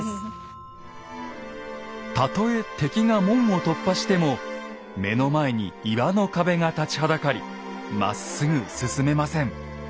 たとえ敵が門を突破しても目の前に岩の壁が立ちはだかりまっすぐ進めません。